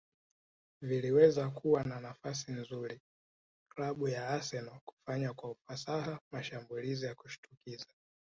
viliweza kuwa na nafasi nzuri klabu ya Arsenal kufanya kwa ufasaha mashambulizi ya kushtukiza